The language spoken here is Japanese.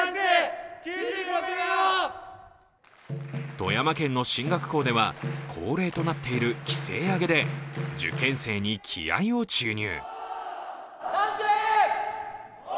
富山県の進学校では恒例となっている気勢上げで受験生に気合いを注入。